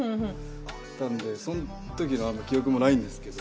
なんで、その時の記憶もないんですけど。